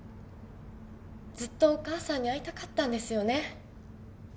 ずっとお母さんに会いたかったんですよね？